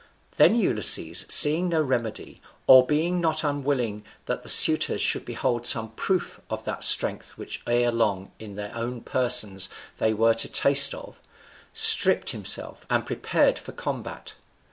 Then Ulysses, seeing no remedy, or being not unwilling that the suitors should behold some proof of that strength which ere long in their own persons they were to taste of, stripped himself, and prepared for the combat.